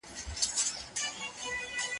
فعالان اوس د بشري حقوقو غوښتنه کوي.